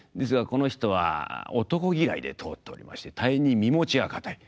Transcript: この人は男嫌いで通っておりまして大変に身持ちが堅い。